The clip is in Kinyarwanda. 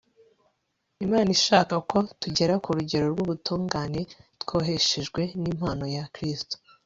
imana ishaka ko tugera ku rugero rw'ubutungane twaheshejwe n'impano ya kristo